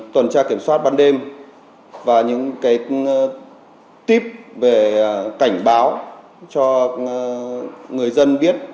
tuần tra kiểm soát ban đêm và những cái tip về cảnh báo cho người dân biết